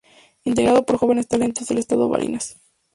Integrado por jóvenes talentos del estado Barinas